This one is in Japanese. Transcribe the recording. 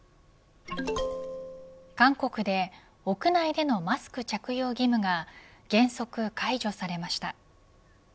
韓国で屋内でのマスク着用義務が原則、解除されました。